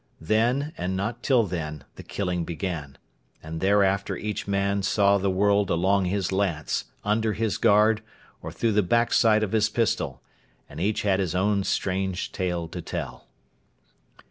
Then, and not till then, the killing began; and thereafter each man saw the world along his lance, under his guard, or through the back sight of his pistol; and each had his own strange tale to tell.